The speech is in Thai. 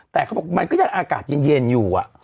แต่มันก็จะอากาศเย็นอยู่อะ